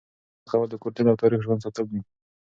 د پښتو خدمت کول د کلتور او تاریخ ژوندي ساتل دي.